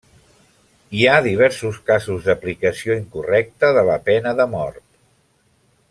Hi ha diversos casos d'aplicació incorrecta de la pena de mort.